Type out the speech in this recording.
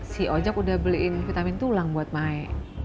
si ojak udah beliin vitamin tulang buat mai